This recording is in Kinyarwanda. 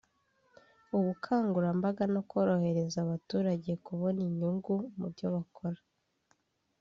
ubukangurambaga no korohereza abaturage kubona inyungu mu byo bakora